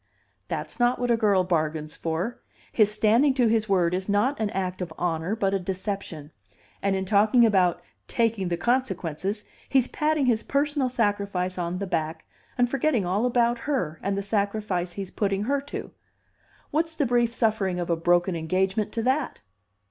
That's not what a girl bargains for. His standing to his word is not an act of honor, but a deception. And in talking about 'taking the consequences,' he's patting his personal sacrifice on the back and forgetting all about her and the sacrifice he's putting her to. What's the brief suffering of a broken engagement to that?